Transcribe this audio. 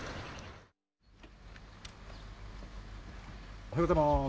おはようございます。